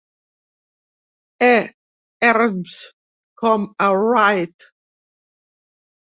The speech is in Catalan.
E. Ernst com a Wright.